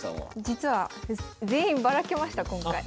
実は全員ばらけました今回。